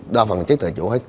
đa phần là chết tại chỗ hết